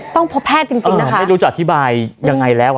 ต้องพ่อแพทย์จริงจริงนะคะเออไม่รู้จะอธิบายยังไงแล้ว